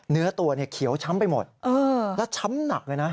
เนื้อตัวเนี่ยเขียวช้ำไปหมดแล้วช้ำหนักเลยนะ